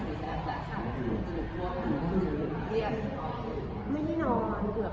สำหรับพ่อเด็กน้องห่วงใกล้กัน